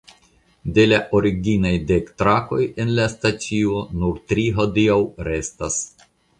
De la originaj dek trakoj en la stacio nur tri hodiaŭ restas.